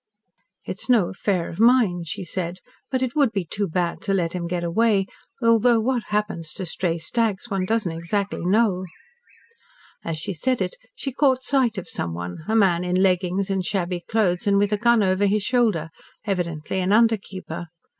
"It is no affair of mine," she said, "but it would be too bad to let him get away, though what happens to stray stags one doesn't exactly know." As she said it she caught sight of someone, a man in leggings and shabby clothes and with a gun over his shoulder, evidently an under keeper.